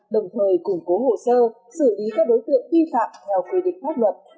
đồng thời củng cố hộ sơ xử lý các đối tượng phi phạm theo quy định pháp luật